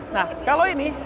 nah kalau ini